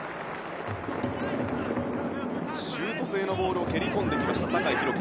シュート性のボールを蹴り込んできました。